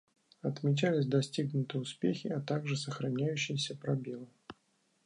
Отмечались достигнутые успехи, а также сохраняющиеся пробелы.